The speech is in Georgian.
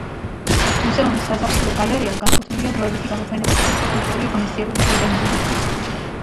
მუზეუმის საზაფხულო გალერეა განკუთვნილია დროებითი გამოფენებისა და სხვა კულტურული ღონისძიებების ორგანიზებისთვის.